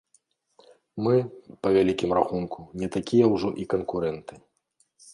Мы, па вялікім рахунку, не такія ўжо і канкурэнты.